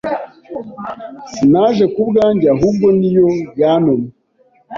Sinaje ku bwanjye, ahubwo ni yo yantumye.